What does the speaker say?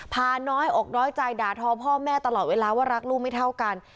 พาน้อยอกน้อยใจด่าทอพ่อแม่ตลอดเวลาว่ารักลูกไม่เท่ากัน